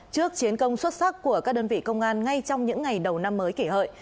trước chiến công xuất sắc của các đơn vị công an ngay trong những ngày đầu năm mới kỷ hợi